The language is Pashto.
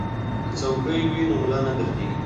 که څوکۍ وي نو ملا نه دردیږي.